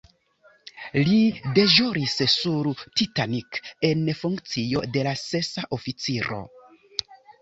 Li deĵoris sur "Titanic" en funkcio de la sesa oficiro.